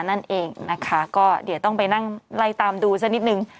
นั่นเองนะคะก็เดี๋ยวต้องไปนั่งไล่ตามดูสักนิดนึง